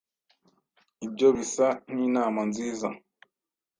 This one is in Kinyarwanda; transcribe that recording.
Ibyo bisa nkinama nziza.